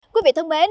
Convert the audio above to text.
quý vị thân mến